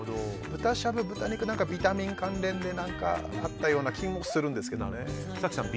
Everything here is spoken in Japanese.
豚しゃぶは、豚肉何かビタミン関連であったような気もするんですけど。